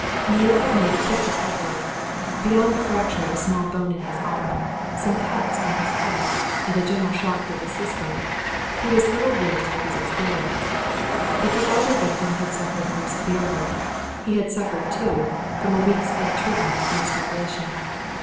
Neale had made a quick recovery; beyond the fracture of a small bone in his arm, some cuts on his head, and a general shock to his system, he was little the worse for his experience. But the elder victim had suffered more severely; he had suffered, too, from a week's ill treatment and starvation.